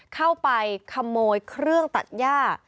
เข้าไปขโมยเครื่องตัดย่า